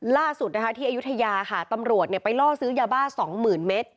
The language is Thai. ล่าสุดนะคะที่อายุทยาค่ะตำรวจไปล่อซื้อยาบ้า๒๐๐๐เมตร